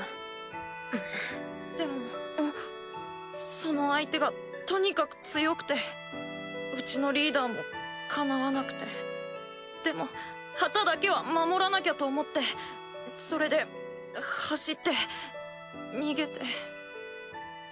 その相手がとにかく強くてウチのリーダーもかなわなくてでも旗だけは守らなきゃと思ってそれで走って逃げて。